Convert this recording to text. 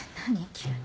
急に。